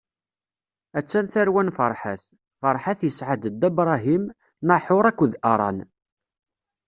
A-tt-an tarwa n Farḥat: Farḥat isɛa-d Dda Bṛahim, Naḥuṛ akked Aṛan.